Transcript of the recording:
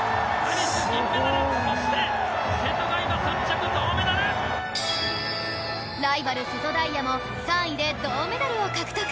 ライバル瀬戸大也も３位で銅メダルを獲得